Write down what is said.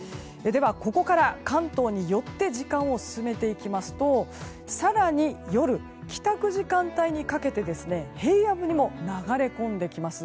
ここから関東に寄って時間を進めていきますと更に夜、帰宅時間帯にかけて平野部にも流れ込んできます。